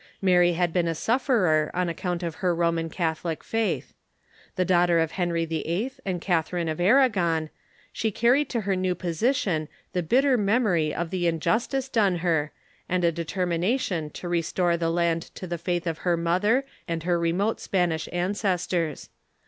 Mary had been a suflFerer on account of her Roman Catholic faith. The daughter of Henry VIII. and Catharine of Aragon, she carried to her new position the bitter memory of the injustice done her, and a determination to restore the land to the faith of her mother and her remote Spanish ancestors.